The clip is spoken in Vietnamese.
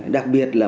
đặc biệt là